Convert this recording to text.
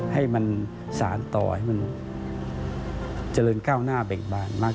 ให้มันสารต่อให้มันเจริญก้าวหน้าเบ่งบานมาก